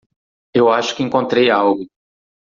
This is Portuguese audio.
Eu acho que encontrei algo.